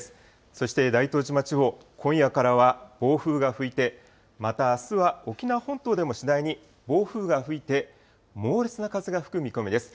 そして大東島地方、今夜からは暴風が吹いて、またあすは沖縄本島でも次第に暴風が吹いて、猛烈な風が吹く見込みです。